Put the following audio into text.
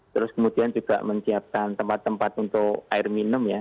terus kemudian juga menyiapkan tempat tempat untuk air minum ya